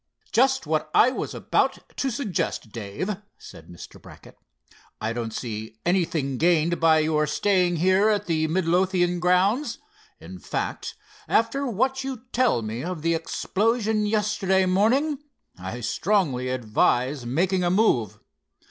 "Just what I was about to suggest, Dave," said Mr. Brackett. "I don't see anything gained by your staying here at the Midlothian grounds. In fact, after what you tell me of the explosion yesterday morning, I strongly advise making a move.